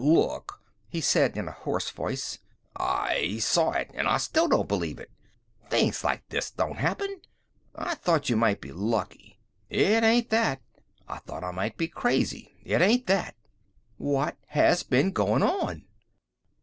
"Look!" he said in a hoarse voice. "I saw it, an' I still don't believe it! Things like this don't happen! I thought you might be lucky. It ain't that. I thought I might be crazy. It ain't that! What has been goin' on?"